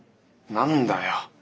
何だよ。